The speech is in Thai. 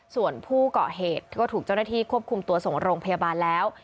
ส่วนผู้เกาะเหตุก็ถูกเจ้าหน้าที่ควบคุมตัวส่งโรงพยาบาลแล้ว